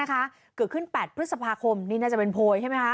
เกิดขึ้น๘พฤษภาคมนี่น่าจะเป็นโพยใช่ไหมคะ